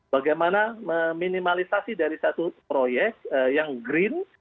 bagaimana meminimalisasi dari satu proyek yang green